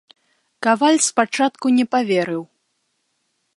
Каваль спачатку не паверыў.